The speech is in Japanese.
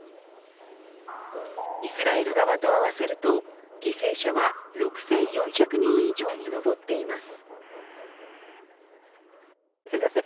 イスラエル側と合わせると犠牲者は６４００人以上に上っています。